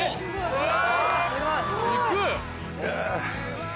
・うわ！